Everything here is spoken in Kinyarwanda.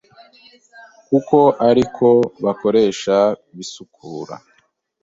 Kuko ari ko bakoresha bisukura